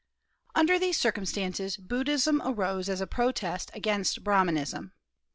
Under these circumstances Buddhism arose as a protest against Brahmanism.